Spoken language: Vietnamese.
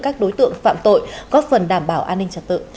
các đối tượng phạm tội góp phần đảm bảo an ninh trật tự